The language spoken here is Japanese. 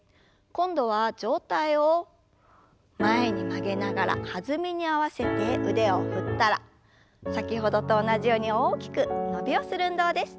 今度は上体を前に曲げながら弾みに合わせて腕を振ったら先ほどと同じように大きく伸びをする運動です。